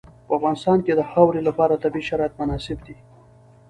په افغانستان کې د خاوره لپاره طبیعي شرایط مناسب دي.